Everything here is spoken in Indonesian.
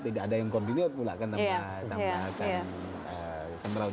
tidak ada yang koordinir pula kan tambahkan semraut